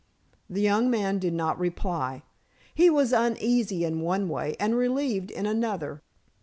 The young man did not reply. He was uneasy in one way and relieved in another.